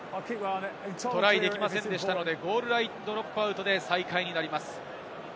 トライできませんでしたので、ゴールラインドロップアウトで再開になります。